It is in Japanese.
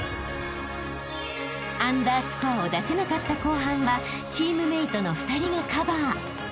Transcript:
［アンダースコアを出せなかった後半はチームメートの２人がカバー］